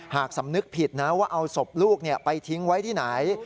หากสำนึกผิดนะว่าเอาศพลูกไปทิ้งไว้ที่ไหน